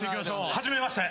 はじめまして。